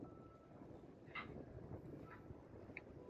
适应症包含妊娠高血压以及。